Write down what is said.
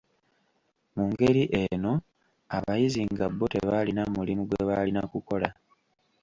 Mu ngeri eno abayizi nga bbo tebaalina mulimu gwe baalina kukola.